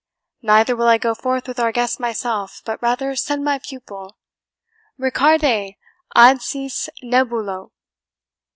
Neither will I go forth with our guest myself, but rather send my pupil. RICARDE! ADSIS, NEBULO."